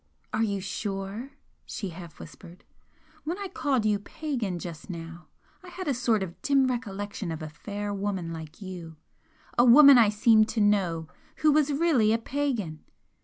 "Are you sure?" she half whispered "When I called you "pagan" just now I had a sort of dim recollection of a fair woman like you, a woman I seemed to know who was really a pagan!